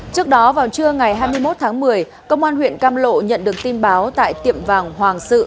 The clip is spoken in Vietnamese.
trước đó vào trưa ngày hai mươi một tháng một mươi công an huyện cam lộ nhận được tin báo tại tiệm vàng hoàng sự